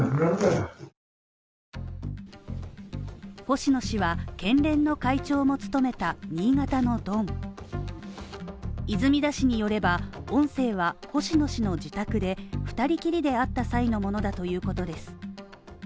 星野氏は県連の会長も務めた新潟のドン泉田氏によれば、音声は星野氏の自宅で２人きりで会った際のものだということです